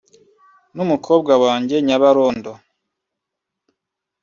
n’umukobwa wanjye Nyabarondo